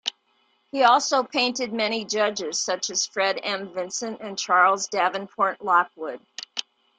He also painted many judges such as Fred M. Vinson and Charles Davenport Lockwood.